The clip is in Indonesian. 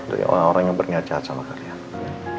dari orang orang yang berniat jahat sama kalian